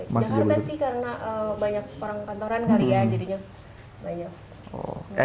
iya jabodetabek jakarta sih karena banyak orang kantoran karya jadinya banyak